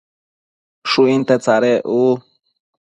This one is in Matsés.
Shuinte tsadec u